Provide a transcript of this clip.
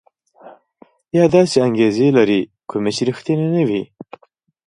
یا داسې انګېزې لري کومې چې ريښتيني نه وي.